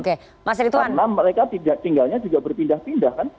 karena mereka tinggalnya juga bertindak pindah kan